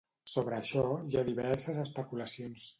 Sobre això, hi ha diverses especulacions.